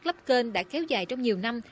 lấp kênh đã kéo dài trong nhiều năm